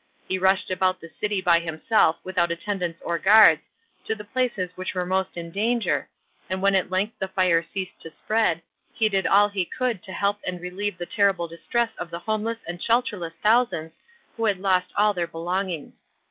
He rushed about the city by himself, without attendants or yuards, to the places which were most in danger, and when at length the tire ceased to spread, he did all he coul«l to help and relieve the terrible distress of the homeless and shelterless thousands who had lost all their belongings.